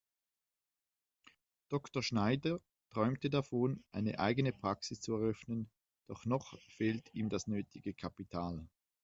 Dr. Schneider träumt davon, eine eigene Praxis zu eröffnen, doch noch fehlt ihm das nötige Kapital.